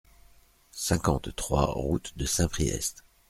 cinquante-trois route de Saint-Priest